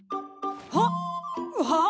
はっ！はあ！？